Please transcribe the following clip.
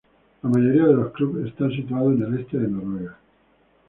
La mayoría de los clubes están situados en el Este de Noruega.